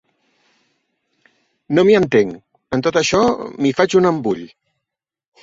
No m'hi entenc, en tot això: m'hi faig un embull.